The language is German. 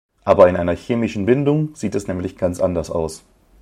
Aber in einer chemischen Bindung sieht es nämlich ganz anders aus.